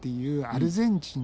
アルゼンチン。